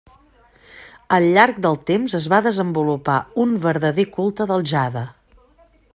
Al llarg del temps es va desenvolupar un verdader culte del jade.